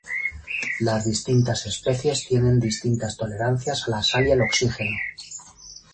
Las distintas especies tienen distintas tolerancias a la sal y al oxígeno.